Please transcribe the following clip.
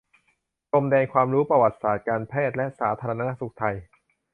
พรมแดนความรู้ประวัติศาสตร์การแพทย์และสาธารณสุขไทย